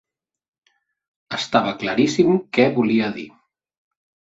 Estava claríssim què volia dir.